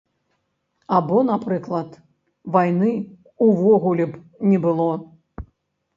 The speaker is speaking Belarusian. Або, напрыклад, вайны ўвогуле б не было?